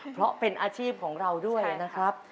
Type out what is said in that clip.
เพราะเป็นอาชีพของเราด้วยนะครับ